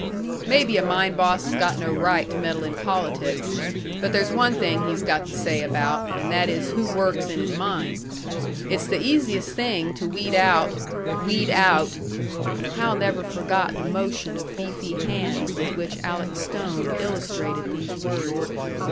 "Maybe a mine boss has got no right to meddle in politics but there's one thing he's got the say about, and that is who works in his mine. It's the easiest thing to weed out weed out " Hal never forgot the motion of beefy hands with which Alec Stone illustrated these words.